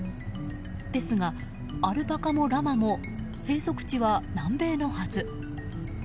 ですが、アルパカもラマも生息地は南米のはず。